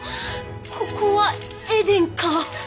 ここはエデンか！